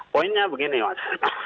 poinnya begini mas